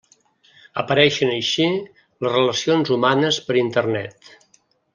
Apareixen així les relacions humanes per internet.